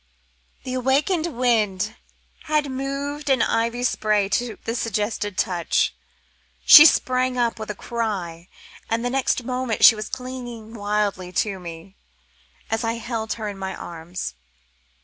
Ah!" The awakened wind had moved an ivy spray to the suggested touch. She sprang up with a cry, and the next moment she was clinging wildly to me, as I held her in my arms.